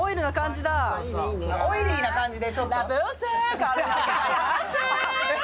オイリーな感じだ。